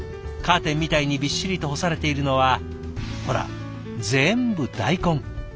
カーテンみたいにびっしりと干されているのはほら全部大根。